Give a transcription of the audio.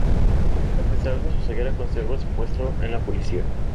A pesar de su ceguera conserva su puesto en la policía.